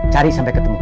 cari sampai ketemu